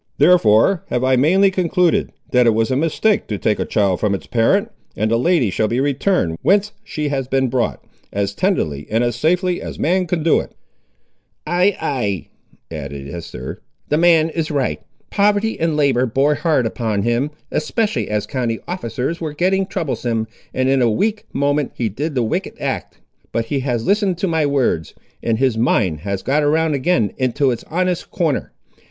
Therefore have I mainly concluded, that it was a mistake to take a child from its parent, and the lady shall be returned whence she has been brought, as tenderly and as safely as man can do it." "Ay, ay," added Esther, "the man is right. Poverty and labour bore hard upon him, especially as county officers were getting troublesome, and in a weak moment he did the wicked act; but he has listened to my words, and his mind has got round again into its honest corner.